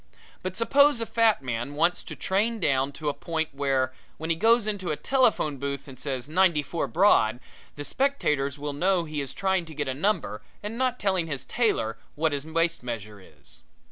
But suppose a fat man wants to train down to a point where, when he goes into a telephone booth and says "Ninety four Broad," the spectators will know he is trying to get a number and not telling his tailor what his waist measure is.